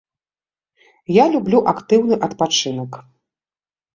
Я люблю актыўны адпачынак.